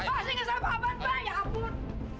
masih ngesel pak aban pak